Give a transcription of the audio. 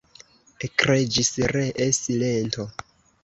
Ekreĝis ree silento.